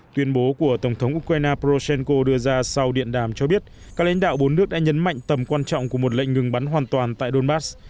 tuyên bố của tổng thống ukraine prochenko đưa ra sau điện đàm cho biết các lãnh đạo bốn nước đã nhấn mạnh tầm quan trọng của một lệnh ngừng bắn hoàn toàn tại donbass